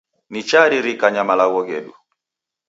Nicharirikanya malaghano ghedu